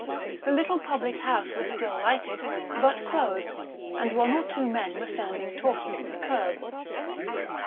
The little public house was still lighted, but closed, and one or two men were standing talking on the kerb.